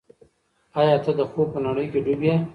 ایا ته د خوب په نړۍ کې ډوب یې؟